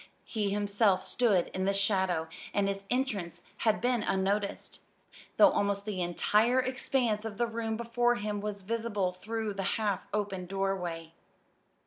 He himself stood in the shadow, and his entrance had been unnoticed, though almost the entire expanse of the room before him was visible through the half open doorway.